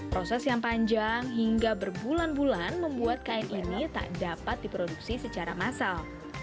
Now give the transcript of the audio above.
proses yang panjang hingga berbulan bulan membuat kain ini tak dapat diproduksi secara massal